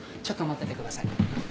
ちょっと待っててください。